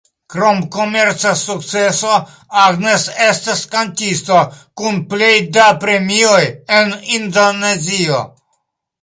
Krom komerca sukceso, Agnes estas kantisto kun plej da premioj en Indonezio.